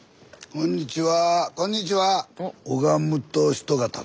こんにちは。